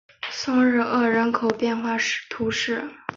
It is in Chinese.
松日厄人口变化图示